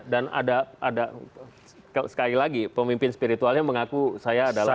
dan ada sekali lagi pemimpin spiritualnya mengaku saya adalah